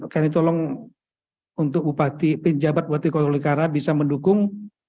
kami tolong untuk upati pejabat buat tolikara bisa mendukung